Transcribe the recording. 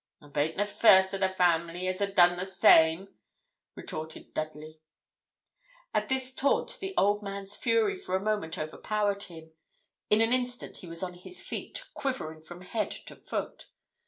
'I baint the first o' the family as a' done the same,' retorted Dudley. At this taunt the old man's fury for a moment overpowered him. In an instant he was on his feet, quivering from head to foot.